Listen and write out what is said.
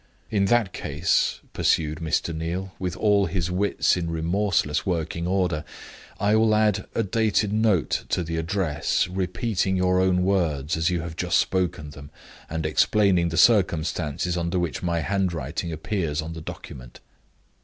"In that case," pursued Mr. Neal, with all his wits in remorseless working order, "I will add a dated note to the address, repeating your own words as you have just spoken them, and explaining the circumstances under which my handwriting appears on the document."